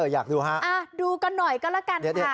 อยากดูฮะดูกันหน่อยก็แล้วกันค่ะ